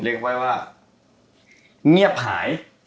เรียกไว้ว่าเงียบหาย